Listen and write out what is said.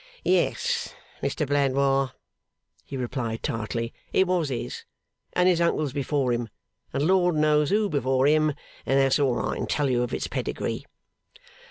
'Yes, Mr Blandois,' he replied tartly. 'It was his, and his uncle's before him, and Lord knows who before him; and that's all I can tell you of its pedigree.